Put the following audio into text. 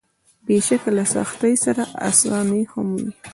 بېشکه له سختۍ سره اساني هم وي.